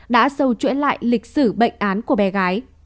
đã sâu chuỗi lại lịch sử bệnh án của bé gái